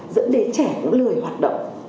vấn đề trẻ cũng lười hoạt động